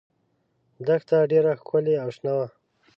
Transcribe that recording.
دښته ډېره ښکلې او شنه وه.